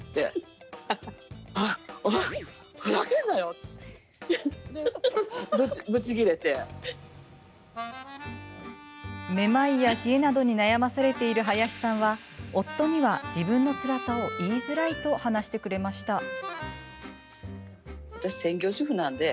は！？って終わってめまいや冷えなどに悩まされている林さんは夫には自分のつらさを言いづらいと話してくれました。